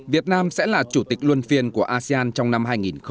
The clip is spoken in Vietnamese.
việt nam sẽ là chủ tịch luân phiên của asean trong năm hai nghìn hai mươi